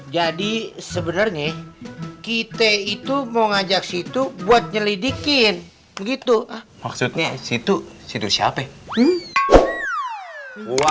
jadi sebenernya kita itu mau ngajak situ buat nyelidikin gitu maksudnya situ situ siapa